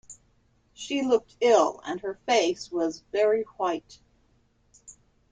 She looked ill, and her face was very white.